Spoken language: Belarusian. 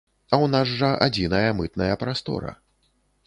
А ў нас жа адзіная мытная прастора.